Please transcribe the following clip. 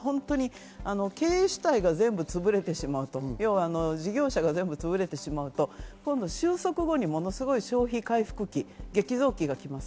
経営主体が全部つぶれてしまうと、事業者が全部つぶれてしまうと収束後に消費回復期、激増期がきます。